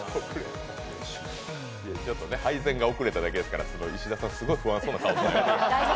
配膳が遅れただけですから石田さん、すごく不安そうな顔を。